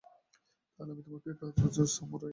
তাহলে আমি তোমাকে কাকামুচো শহরের সামুরাই নিযুক্ত করলাম।